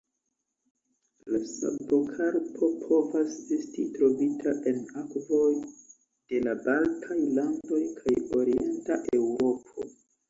La sabrokarpo povas esti trovita en akvoj de la Baltaj landoj kaj Orienta Eŭropo.